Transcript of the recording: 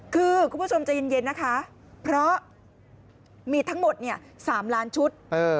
คือคุณผู้ชมใจเย็นนะคะเพราะมีทั้งหมด๓ล้านชุด